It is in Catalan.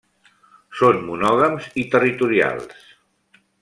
Són monògams i territorials.